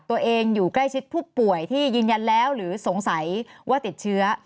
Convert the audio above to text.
อยู่ใกล้ชิดผู้ป่วยที่ยืนยันแล้วหรือสงสัยว่าติดเชื้อ